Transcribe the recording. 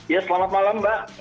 ya selamat malam mbak